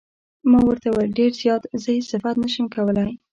ما ورته وویل: ډېر زیات، زه یې صفت نه شم کولای.